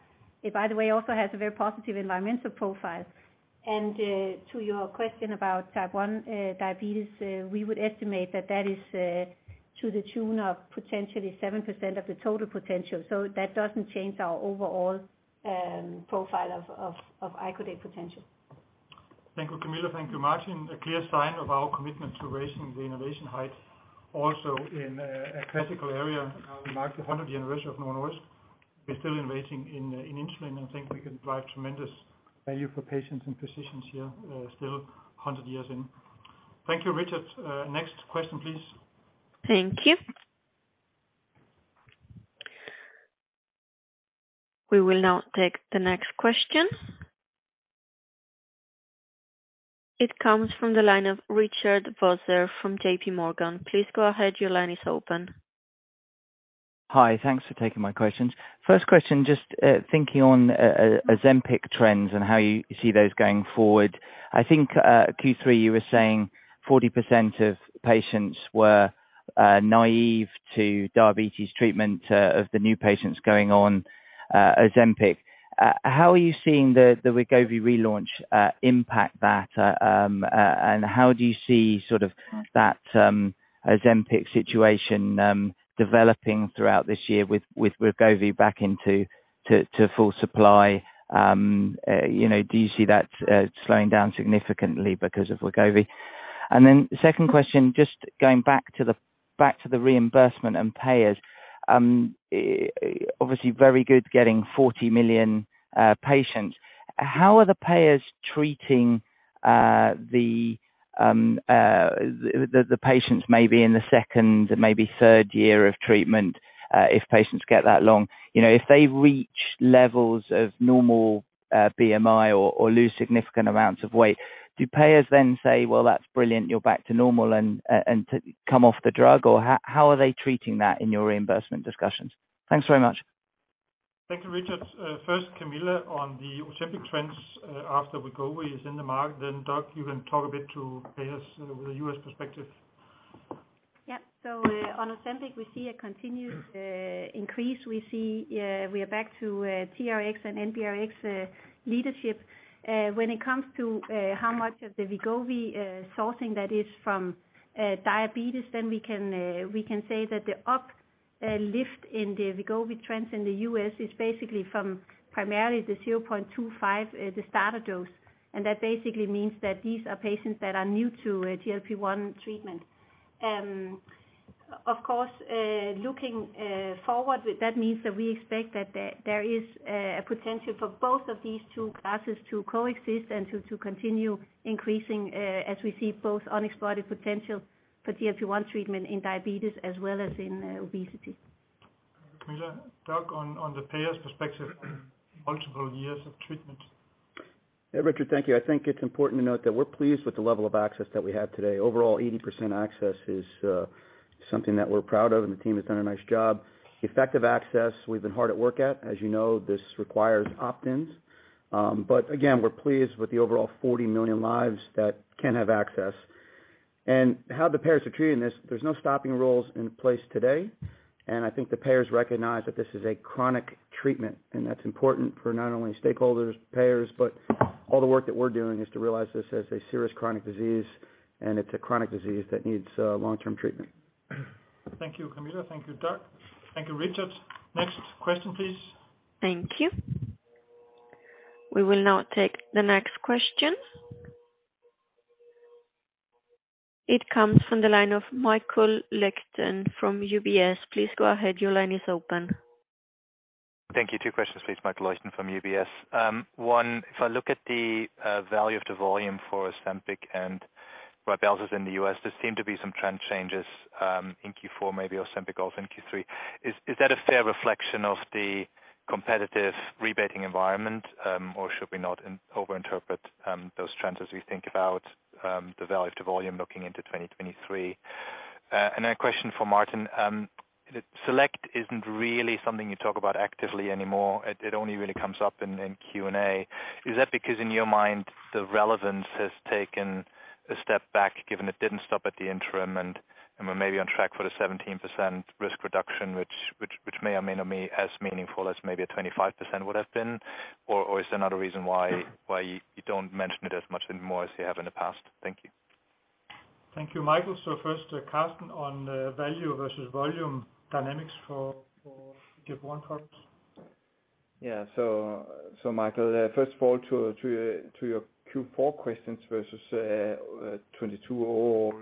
It, by the way, also has a very positive environmental profile. To your question about type 1 diabetes, we would estimate that that is to the tune of potentially 7% of the total potential. That doesn't change our overall profile of icodec potential. Thank you, Camilla. Thank you, Martin. A clear sign of our commitment to raising the innovation height also in a critical area. We mark the 100 year anniversary of Novo Nordisk. We're still innovating in insulin, and I think we can drive tremendous value for patients and physicians here, still 100 years in. Thank you, Richard. Next question, please. Thank you. We will now take the next question. It comes from the line of Richard Vosser from JPMorgan. Please go ahead. Your line is open. Hi. Thanks for taking my questions. First question, just thinking on OZEMPIC trends and how you see those going forward. I think Q3, you were saying 40% of patients were naive to diabetes treatment, of the new patients going on OZEMPIC. How are you seeing the Wegovy relaunch impact that, and how do you see sort of that OZEMPIC situation developing throughout this year with Wegovy back into full supply? you know, do you see that slowing down significantly because of Wegovy? Second question, just going back to the reimbursement and payers, obviously very good getting 40 million patients. How are the payers treating the patients maybe in the second or maybe third-year of treatment, if patients get that long? You know, if they reach levels of normal BMI or lose significant amounts of weight, do payers then say, "Well, that's brilliant. You're back to normal and to come off the drug," or how are they treating that in your reimbursement discussions? Thanks very much. Thank you, Richard. First, Camilla, on the OZEMPIC trends, after Wegovy is in the market, then Doug, you can talk a bit to payers from the U.S. perspective. On OZEMPIC, we see a continued increase. We see we are back to TRx and NPRX leadership. When it comes to how much of the Wegovy sourcing that is from diabetes, then we can say that the uplift in the Wegovy trends in the U.S. is basically from primarily the 0.25 mg, the starter dose, and that basically means that these are patients that are new to a GLP-1 treatment. Of course, looking forward, that means that we expect that there is a potential for both of these two classes to coexist and to continue increasing as we see both unexplored potential for GLP-1 treatment in diabetes as well as in obesity. Camilla, Doug, on the payer's perspective, multiple years of treatment. Yeah, Richard, thank you. I think it's important to note that we're pleased with the level of access that we have today. Overall, 80% access is something that we're proud of, and the team has done a nice job. Effective access, we've been hard at work at. As you know, this requires opt-ins. Again, we're pleased with the overall 40 million lives that can have access. How the payers are treating this, there's no stopping rules in place today, and I think the payers recognize that this is a chronic treatment, and that's important for not only stakeholders, payers, but all the work that we're doing is to realize this as a serious chronic disease, and it's a chronic disease that needs long-term treatment. Thank you, Camilla. Thank you, Doug. Thank you, Richard. Next question, please. Thank you. We will now take the next question. It comes from the line of Michael Leuchten from UBS. Please go ahead. Your line is open. Thank you. Two questions, please, Michael Leuchten from UBS. One, if I look at the value of the volume for OZEMPIC and RYBELSUS in the U.S., there seem to be some trend changes in Q4, maybe OZEMPIC also in Q3. Is that a fair reflection of the competitive rebating environment, or should we not overinterpret those trends as we think about the value to volume looking into 2023? A question for Martin. SELECT isn't really something you talk about actively anymore. It only really comes up in Q&A. Is that because in your mind the relevance has taken a step back given it didn't stop at the interim and we're maybe on track for the 17% risk reduction which may or may not be as meaningful as maybe a 25% would have been? Is there another reason why you don't mention it as much anymore as you have in the past? Thank you. Thank you, Michael. First, Karsten on value versus volume dynamics for GLP-1 products. Yeah. Michael, first of all, to your Q4 questions versus 2022 overall,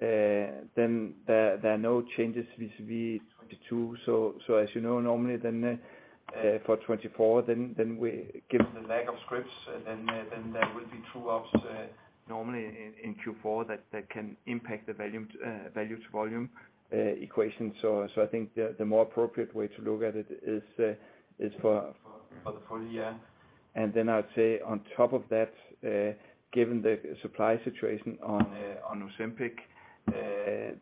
then there are no changes vis-a-vis 2022. As you know, normally then for 2024. Given the lack of scripts, then there will be true ups normally in Q4 that can impact the volume, value to volume equation. I think the more appropriate way to look at it is for the full year. Then I'd say on top of that, given the supply situation on OZEMPIC,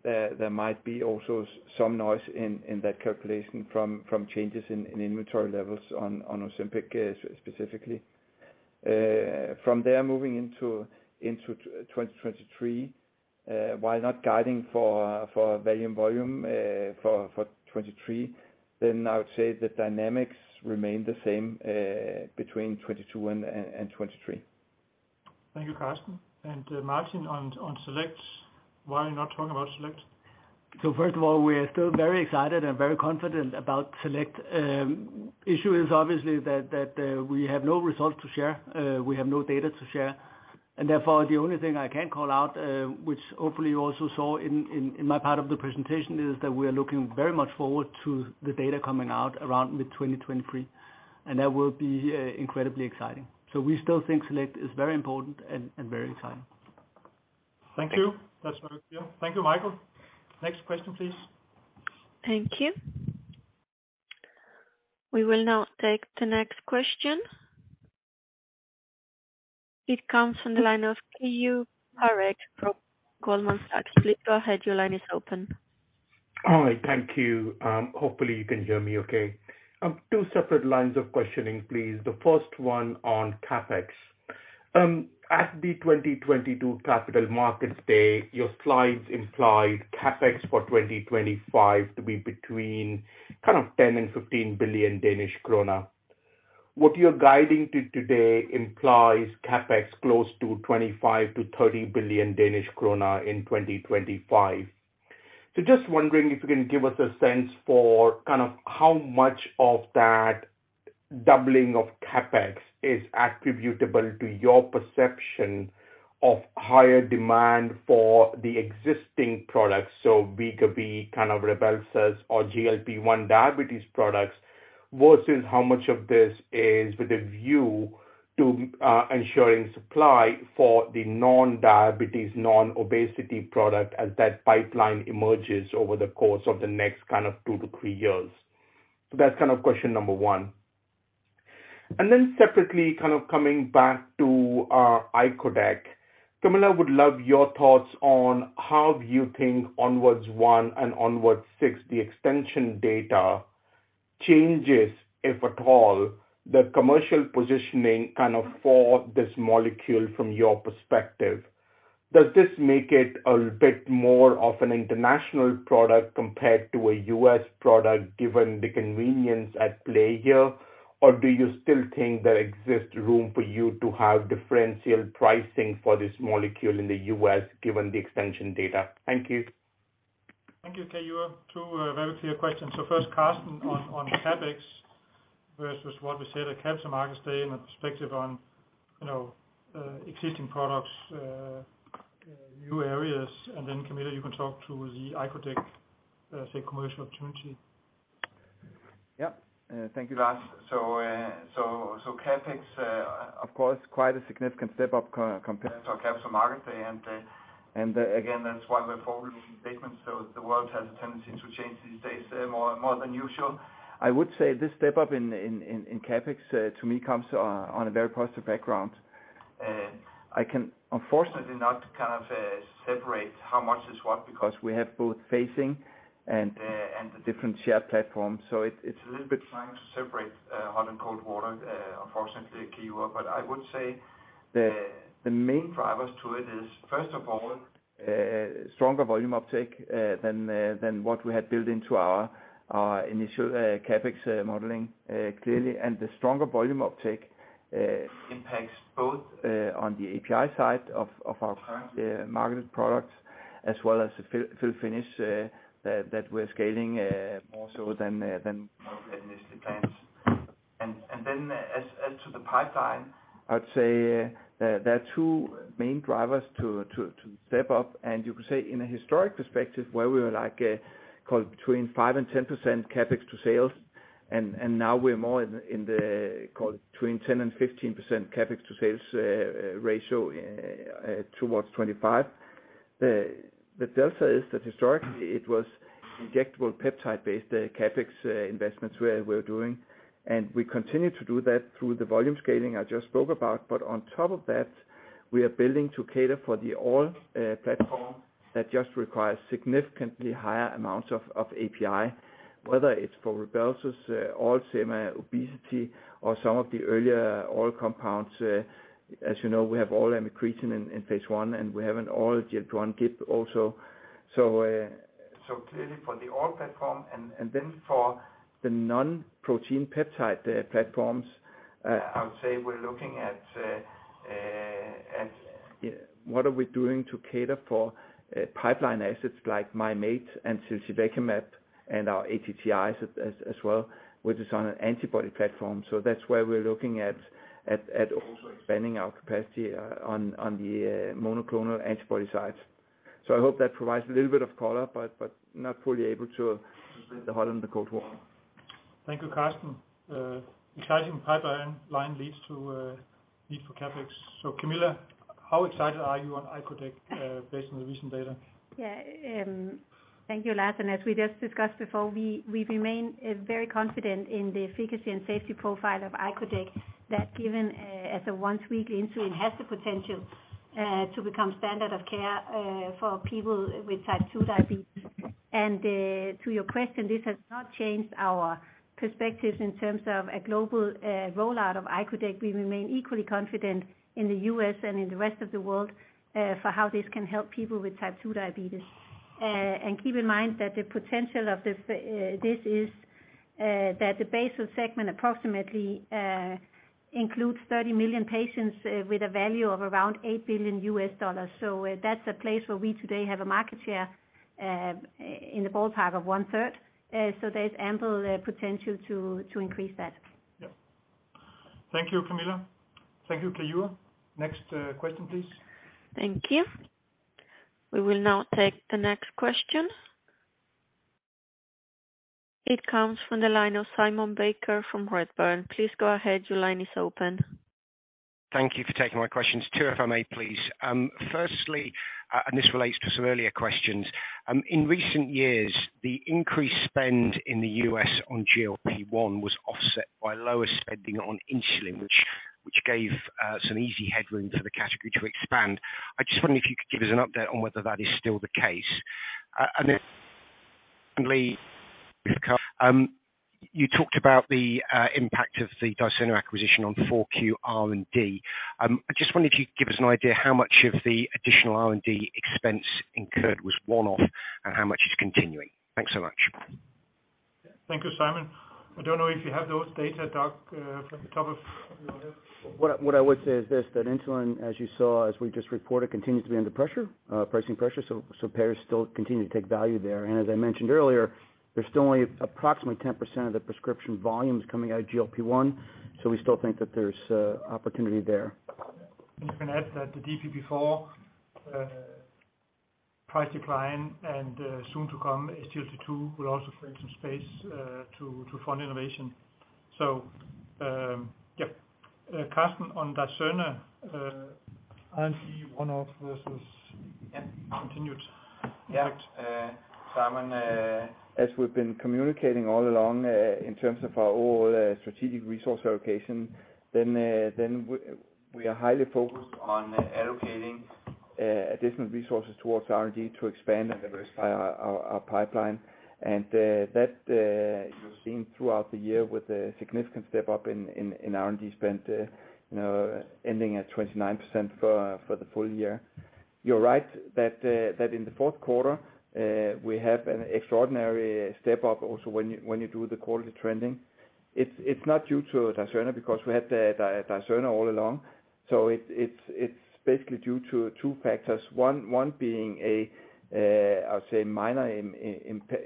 there might be also some noise in that calculation from changes in inventory levels on OZEMPIC specifically. From there moving into 2023, while not guiding for value and volume, for 2023, then I would say the dynamics remain the same, between 2022 and 2023. Thank you, Karsten. Martin, on SELECT, why are you not talking about SELECT? First of all, we are still very excited and very confident about SELECT. The issue is obviously that we have no results to share, we have no data to share. Therefore, the only thing I can call out, which hopefully you also saw in my part of the presentation, is that we are looking very much forward to the data coming out around mid-2023. That will be incredibly exciting. We still think SELECT is very important and very exciting. Thank you. That's very clear. Thank you, Michael. Next question, please. Thank you. We will now take the next question. It comes from the line of Keyur Parekh from Goldman Sachs. Please go ahead, your line is open. Hi. Thank you. Hopefully you can hear me okay. Two separate lines of questioning, please. The first one on CapEx. At the 2022 Capital Markets Day, your slides implied CapEx for 2025 to be between kind of 10 billion-15 billion Danish krone. What you're guiding to today implies CapEx close to 25 billion-30 billion Danish krone in 2025. Just wondering if you can give us a sense for kind of how much of that doubling of CapEx is attributable to your perception of higher demand for the existing products, so Wegovy, kind of RYBELSUS, or GLP-1 diabetes products, versus how much of this is with a view to ensuring supply for the non-diabetes, non-obesity product as that pipeline emerges over the course of the next kind of two to three years? That's kind of question number one. Separately, kind of coming back to icodec. Camilla, would love your thoughts on how you think ONWARDS 1 and ONWARDS 6, the extension data changes, if at all, the commercial positioning kind of for this molecule from your perspective. Does this make it a bit more of an international product compared to a U.S. product given the convenience at play here? Or do you still think there exists room for you to have differential pricing for this molecule in the U.S. given the extension data? Thank you. Thank you, Keyur. Two very clear questions. First, Karsten, on CapEx versus what we said at Capital Markets Day and a perspective on, you know, existing products, new areas. Then Camilla, you can talk to the icodec commercial opportunity. Yeah. Thank you, Lars. CapEx, of course, quite a significant step up compared to our Capital Markets Day. Again, that's why we're forward-looking statements, so the world has a tendency to change these days, more than usual. I would say this step-up in CapEx to me comes on a very positive background. I can unfortunately not kind of separate how much is what because we have both phasing and the different shared platforms. It's a little bit trying to separate hot and cold water, unfortunately, Keyur. I would say the main drivers to it is, first of all, stronger volume uptake than what we had built into our initial CapEx modeling clearly. The stronger volume uptake impacts both on the API side of our current marketed products as well as the fill finish that we're scaling more so than initially planned. Then as to the pipeline, I would say there are two main drivers to step up. You could say in a historic perspective where we were like, call it between 5% and 10% CapEx to sales, and now we're more in the, call it between 10% and 15% CapEx to sales ratio towards 2025. The delta is that historically it was injectable peptide-based CapEx investments we're doing, and we continue to do that through the volume scaling I just spoke about. On top of that, we are building to cater for the oral platform that just requires significantly higher amounts of API, whether it's for RYBELSUS, oral sema, obesity, or some of the earlier oral compounds. As you know, we have oral incretin in phase one, and we have an oral GLP-1 GIP also. Clearly for the oral platform and then for the non-protein peptide platforms, I would say we're looking at what are we doing to cater for pipeline assets like ziltivekimab and concizumab and our ATGIs as well, which is on an antibody platform. That's where we're looking at also expanding our capacity on the monoclonal antibody side. I hope that provides a little bit of color, but not fully able to separate the hot and the cold water. Thank you, Karsten. exciting pipeline leads to need for CapEx. Camilla, how excited are you on icodec, based on the recent data? Yeah. Thank you, Lars. As we just discussed before, we remain very confident in the efficacy and safety profile of icodec that given as a once-weekly insulin has the potential. To become standard of care for people with type 2 diabetes. To your question, this has not changed our perspectives in terms of a global rollout of icodec. We remain equally confident in the U.S. and in the rest of the world for how this can help people with type 2 diabetes. Keep in mind that the potential of this is, that the basal segment approximately includes 30 million patients with a value of around $8 billion. That's a place where we today have a market share in the ballpark of 1/3. There's ample potential to increase that. Yeah. Thank you, Camilla. Thank you, Keyur. Next, question, please. Thank you. We will now take the next question. It comes from the line of Simon Baker from Redburn. Please go ahead. Your line is open. Thank you for taking my questions. Two, if I may, please. Firstly, and this relates to some earlier questions. In recent years, the increased spend in the U.S. on GLP-1 was offset by lower spending on insulin, which gave some easy headroom for the category to expand. I just wonder if you could give us an update on whether that is still the case. Then you talked about the impact of the Dicerna acquisition on Q4 R&D. I just wondered if you'd give us an idea how much of the additional R&D expense incurred was one-off and how much is continuing. Thanks so much. Thank you, Simon. I don't know if you have those data, Doug, from the top of your head. What I would say is this, that insulin, as you saw, as we just reported, continues to be under pressure, pricing pressure. Payers still continue to take value there. As I mentioned earlier, there's still only approximately 10% of the prescription volumes coming out of GLP-1. We still think that there's opportunity there. You can add that the DP before price decline and soon to come SGLT2 will also create some space to fund innovation. Yep. Karsten on Dicerna, R&D one-off versus continued. Simon, as we've been communicating all along, in terms of our overall strategic resource allocation, we are highly focused on allocating additional resources towards R&D to expand and diversify our pipeline. That you've seen throughout the year with a significant step up in R&D spend, you know, ending at 29% for the full year. You're right that in the fourth quarter we have an extraordinary step up also when you do the quarterly trending. It's not due to Dicerna because we had the Dicerna all along. It's basically due to two factors. One, one being a, I would say minor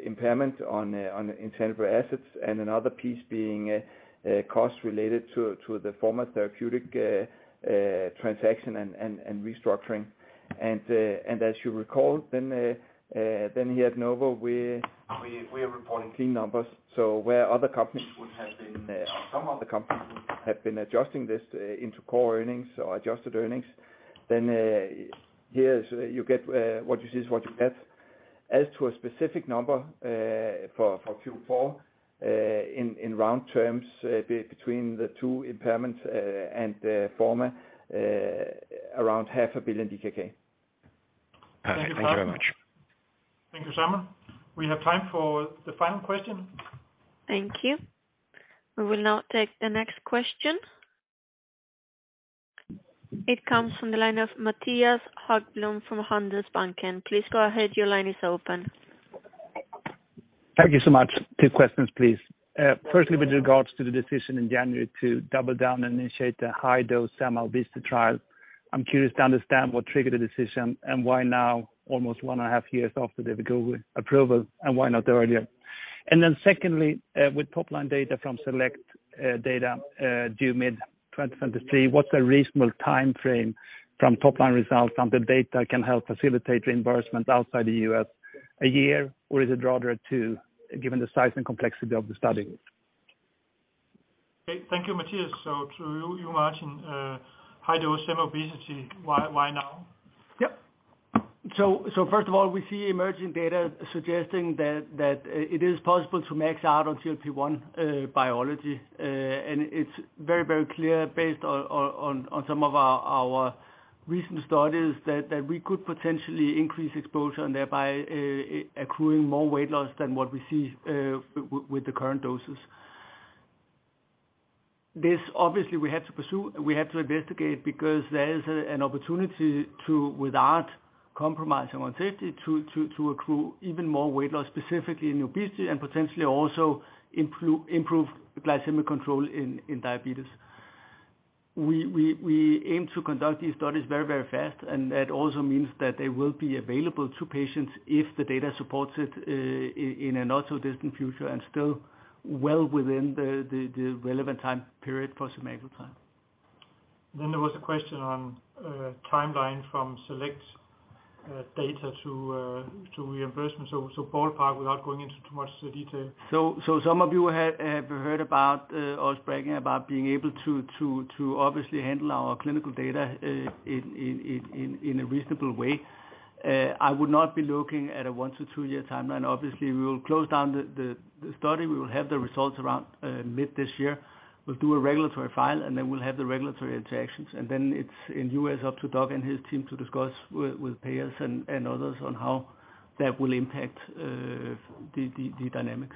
impairment on intangible assets, and another piece being costs related to Forma Therapeutics transaction and restructuring. As you recall then here at Novo, we are reporting clean numbers. Where other companies would have been, some other companies have been adjusting this into core earnings or adjusted earnings, then here's you get what you see is what you get. As to a specific number for Q4, in round terms, between the two impairments and the former, around 500 million DKK. Thank you very much. Thank you, Simon. We have time for the final question. Thank you. We will now take the next question. It comes from the line of Mattias Häggblom from Handelsbanken. Please go ahead. Your line is open. Thank you so much. Two questions, please. Firstly, with regards to the decision in January to double down and initiate the high-dose semaglutide trial, I'm curious to understand what triggered the decision and why now, almost one and a half years after the degludec approval, and why not earlier? Secondly, with top-line data from SELECT data due mid-2023, what's a reasonable timeframe from top-line results and the data can help facilitate reimbursement outside the U.S. one year, or is it rather two, given the size and complexity of the study? Thank you, Mattias. To you, Martin, high-dose sem obesity, why now? Yep. First of all, we see emerging data suggesting that it is possible to max out on GLP-1 biology. It's very, very clear based on some of our recent studies that we could potentially increase exposure and thereby accruing more weight loss than what we see with the current doses. This obviously we had to pursue, we had to investigate because there is an opportunity to, without compromising on safety, to accrue even more weight loss, specifically in obesity and potentially also improve glycemic control in diabetes. We aim to conduct these studies very, very fast, and that also means that they will be available to patients if the data supports it, in a not too distant future and still well within the relevant time period for semaglutide. There was a question on timeline from SELECT data to reimbursement. so ballpark without going into too much detail. Some of you have heard about us bragging about being able to obviously handle our clinical data in a reasonable way. I would not be looking at a one to two year timeline. Obviously, we will close down the study. We will have the results around mid this year. We'll do a regulatory file, we'll have the regulatory interactions. It's in U.S. up to Doug and his team to discuss with payers and others on how that will impact the dynamics.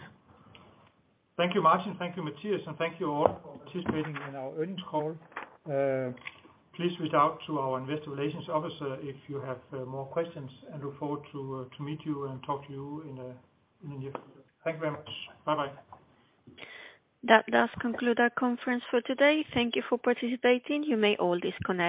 Thank you, Martin. Thank you, Matthias. Thank you all for participating in our earnings call. Please reach out to our investor relations officer if you have more questions and look forward to meet you and talk to you in the near future. Thank you very much. Bye-bye. That does conclude our conference for today. Thank you for participating. You may all disconnect.